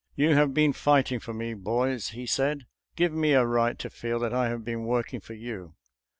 "You have been fighting for me, boys," he said. " Give me a right to feel that I have been working for you."